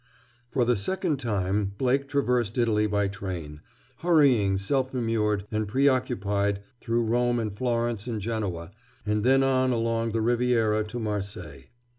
For the second time Blake traversed Italy by train, hurrying self immured and preoccupied through Rome and Florence and Genoa, and then on along the Riviera to Marseilles.